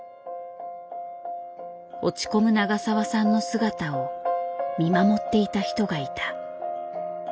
落ち込む永澤さんの姿を見守っていた人がいた。